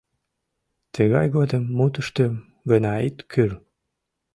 Тыгай годым мутыштым гына ит кӱрл.